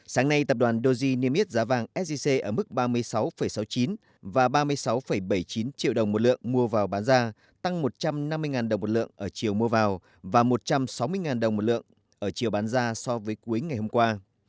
sáng nay tập đoàn doge niêm yết giá vàng sgc ở mức ba mươi sáu sáu mươi chín và ba mươi sáu bảy mươi chín triệu đồng một lượng mua vào bán ra tăng một trăm năm mươi đồng một lượng ở chiều mua vào và một trăm sáu mươi đồng một lượng ở chiều bán ra so với cuối ngày hôm qua